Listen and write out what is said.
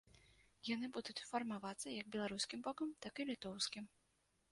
Яны будуць фармавацца як беларускім бокам, так і літоўскім.